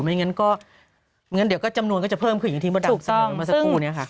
ไม่อย่างนั้นก็เดี๋ยวก็จำนวนก็จะเพิ่มคืออย่างที่ประดับสมัยมาสักครู่นี้ค่ะ